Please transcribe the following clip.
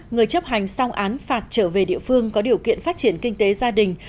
người chấp hành song án phạt trở về địa phương có điều kiện phát triển kinh tế gia đình